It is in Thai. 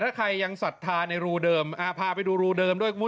ถ้าใครยังศรัทธาในรูเดิมพาไปดูรูเดิมด้วยคุณผู้ชม